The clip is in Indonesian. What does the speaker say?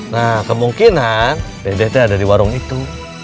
nah kemungkinan dede tuh ada di warung itu